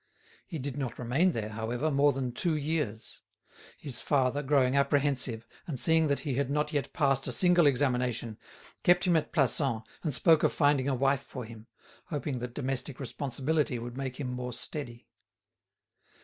He did not remain there, however, more than two years; his father, growing apprehensive, and seeing that he had not yet passed a single examination, kept him at Plassans and spoke of finding a wife for him, hoping that domestic responsibility would make him more steady.